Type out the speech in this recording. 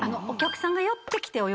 お客さんが寄ってきて。